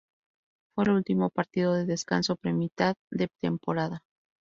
Fue el último partido de descanso pre-mitad de temporada.